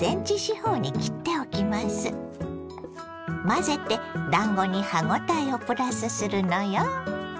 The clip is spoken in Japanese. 混ぜてだんごに歯応えをプラスするのよ。